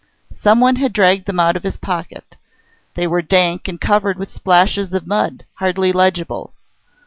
Someone had dragged them out of his pocket; they were dank and covered with splashes of mud hardly legible.